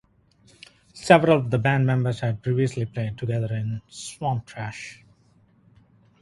Several of the band members had previously played together in Swamptrash.